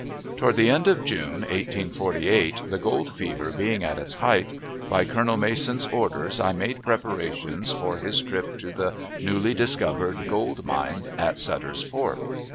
Toward the close of June, 1848, the gold fever being at its height, by Colonel Mason's orders I made preparations for his trip to the newly discovered gold mines at Sutter's Fort.